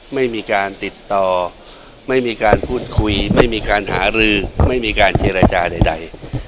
ไม่มีการติดต่อไม่มีการพูดคุยไม่มีการหารือไม่มีการเจรจาใด